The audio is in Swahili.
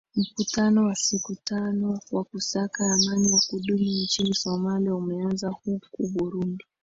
mkutano wa siku tano wa kusaka amani ya kudumu nchini somalia umeanza huko burundi